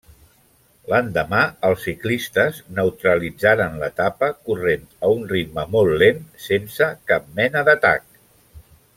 L'endemà els ciclistes neutralitzaren l'etapa, corrent a un ritme molt lent, sense cap mena d'atac.